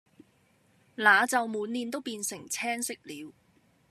那就滿臉都變成青色了。